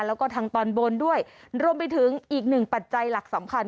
แล้วก็ทางตอนบนด้วยรวมไปถึงอีกหนึ่งปัจจัยหลักสำคัญ